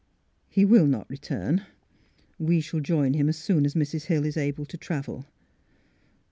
" He will not return. We shall join him as soon as Mrs. Hill is able to travel."